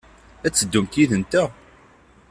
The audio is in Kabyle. Ad teddumt yid-nteɣ?